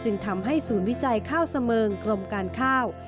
จึงทำให้ศูนย์วิจัยข้าวเสมิงกรมการข้าว